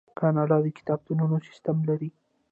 کاناډا د کتابتونونو سیستم لري.